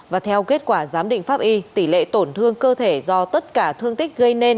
và theo kết quả giám định pháp y tỷ lệ tổn thương cơ thể do tất cả thương tích gây nên